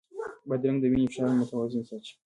بادرنګ د وینې فشار متوازن ساتي.